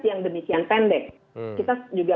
yang demikian pendek kita juga